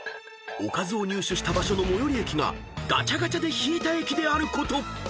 ［おかずを入手した場所の最寄駅がガチャガチャで引いた駅であること］